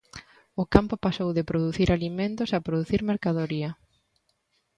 O campo pasou de producir alimentos a producir mercadoría.